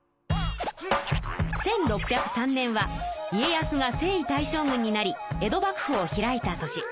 １６０３年は家康が征夷大将軍になり江戸幕府を開いた年。